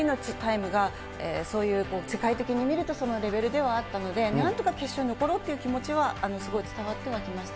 ４人のタイムがそういう世界的に見ると、そのレベルではあったので、なんとか決勝に残ろうっていう気持ちは、すごい伝わってはきました。